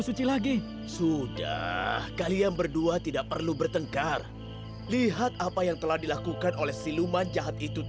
praja itu karena kecemburuannya pada gadis siluman itu